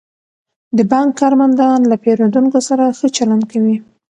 د بانک کارمندان له پیرودونکو سره ښه چلند کوي.